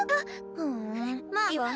ふんまあいいわ。